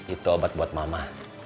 itu obat buat mama